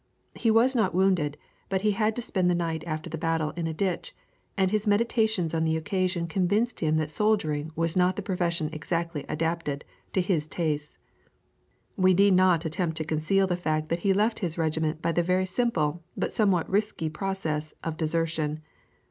He was not wounded, but he had to spend the night after the battle in a ditch, and his meditations on the occasion convinced him that soldiering was not the profession exactly adapted to his tastes. We need not attempt to conceal the fact that he left his regiment by the very simple but somewhat risky process of desertion.